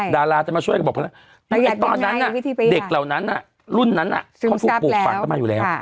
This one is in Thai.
ดาราจะมาช่วยกันบอกเพราะอย่างตอนนั้นเด็กเหล่านั้นรุ่นนั้นเขาถูกปลูกฝังกันมาอยู่แล้ว